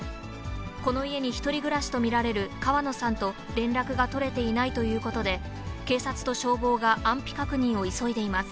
この家に１人暮らしと見られる河野さんと連絡が取れていないということで、警察と消防が安否確認を急いでいます。